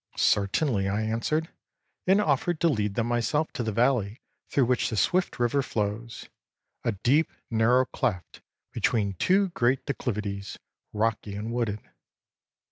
â âCertainly,â I answered, and offered to lead them myself to the valley through which the swift river flows a deep, narrow cleft between two great declivities, rocky and wooded.